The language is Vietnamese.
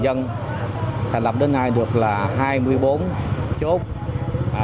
dân thành lập đến nay được là hai mươi vùng xanh